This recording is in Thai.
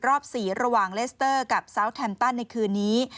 รอบ๔ระหว่างเลสเตอร์กับซาวแทมตันในคืนนี้